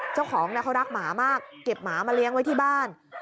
เจ้าของเขารักหมามากเก็บหมามาเลี้ยงไว้ที่บ้าน